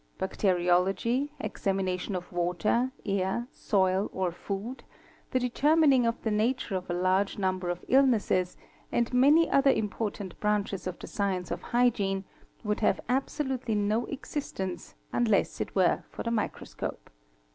Bacteriology, examination of water, air, soil, or food, the determining of the nature of a large number of illnesses, and many other important branches of the science of hygiene, would have absolutely no existence unless it were for the microscope.